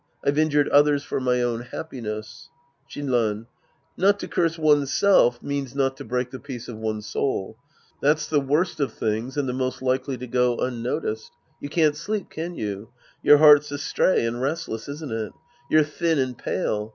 I've injured others for my own happiness. Shinran. Not to curse oneself means not to break Sc. 11 The Priest and His Disciples 21 1 the peace of one's soul. That's the worst of things and the most likely to go unnoticed. You can't sleep, can you ? Your heart's astray and restless, isn't it? You're thin and pale.